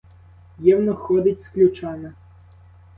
Євнух ходить з ключами.